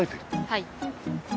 はい。